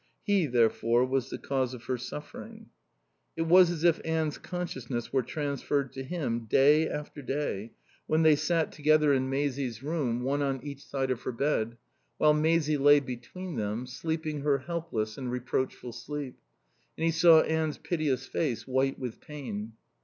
He, therefore, was the cause of her suffering. It was as if Anne's consciousness were transferred to him, day after day, when they sat together in Maisie's room, one on each side of her bed, while Maisie lay between them, sleeping her helpless and reproachful sleep, and he saw Anne's piteous face, white with pain.